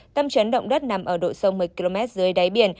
tâm trấn động đất nằm ở độ sâu một mươi km dưới đáy biển